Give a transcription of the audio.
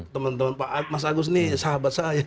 teman teman mas agus ini sahabat saya